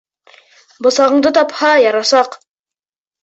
Бысағыңды тапһа, ярасаҡ.